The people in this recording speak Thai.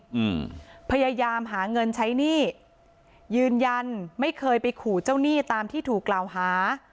อืมพยายามหาเงินใช้หนี้ยืนยันไม่เคยไปขู่เจ้าหนี้ตามที่ถูกกล่าวหา